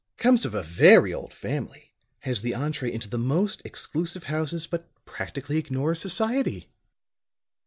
"Comes of a very old family; has the entrée into the most exclusive houses, but practically ignores society."